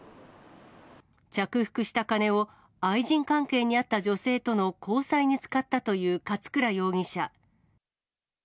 着服した金を、愛人関係にあった女性との交際に使ったという勝倉容疑者。